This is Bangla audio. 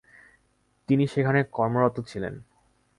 তিনি সেখানে কর্মরত ছিলেন।